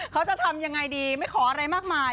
เขาจะทำยังไงดีไม่ขออะไรมากมาย